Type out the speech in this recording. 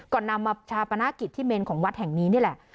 นำมาชาปนากิจที่เมนของวัดแห่งนี้นี่แหละ